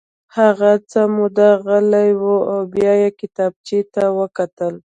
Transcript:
هغه څه موده غلی و او بیا یې کتابچې ته وکتل